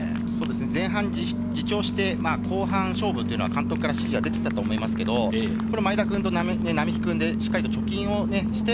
前半、自重して、後半で勝負というのは監督から指示が出ていたと思いますけれども、前田くんと並木くんでしっかりと貯金をして